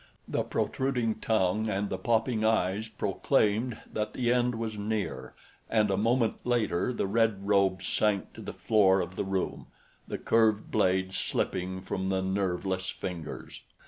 The protruding tongue and the popping eyes proclaimed that the end was near and a moment later the red robe sank to the floor of the room, the curved blade slipping from nerveless fingers.